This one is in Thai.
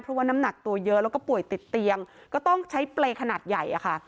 เพราะว่าน้ำหนักตัวเยอะแล้วก็ป่วยติดเตียงก็ต้องใช้เปรย์ขนาดใหญ่อะค่ะ